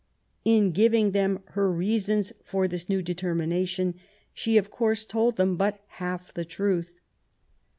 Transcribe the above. In giving them her reasons for this new deter mination, she of course told them but half the truth.